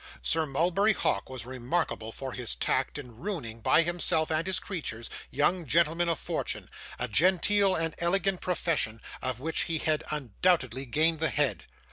Sir Mulberry Hawk was remarkable for his tact in ruining, by himself and his creatures, young gentlemen of fortune a genteel and elegant profession, of which he had undoubtedly gained the head.